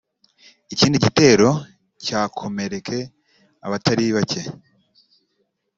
ikindi gitero cyakomereke abatari bake